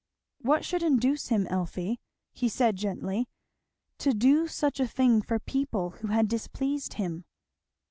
"What should induce him, Elfie," he said gently, "to do such a thing for people who had displeased him?"